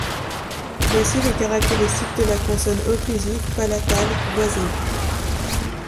Voici les caractéristiques de la consonne occlusive palatale voisée.